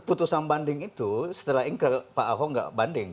putusan banding itu setelah ingkir pak ahok enggak banding kan